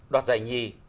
đoạt giải nhì